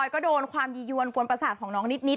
มันไกลไปไหมอะ